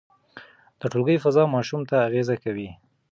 د ټولګي فضا ماشوم ته اغېز کوي.